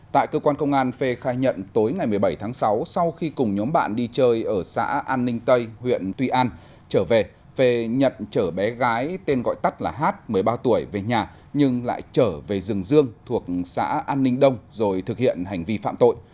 tại cơ quan công an phê khai nhận tối ngày một mươi bảy tháng sáu sau khi cùng nhóm bạn đi chơi ở xã an ninh tây huyện tuy an trở về phê nhận trở bé gái tên gọi tắt là hát một mươi ba tuổi về nhà nhưng lại trở về rừng rương thuộc xã an ninh đông rồi thực hiện hành vi phạm tội